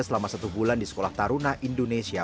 selama satu bulan di sekolah taruna indonesia